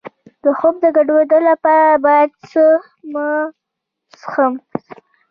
د خوب د ګډوډۍ لپاره باید څه مه څښم؟